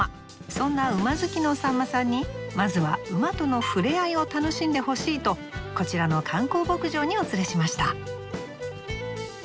そんな馬好きのさんまさんにまずは馬との触れ合いを楽しんでほしいとこちらの観光牧場にお連れしました。